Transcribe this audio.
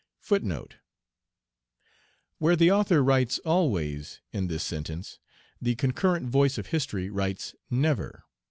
* Where the author writes always in this sentence, the concurrent voice of history writes NEVER.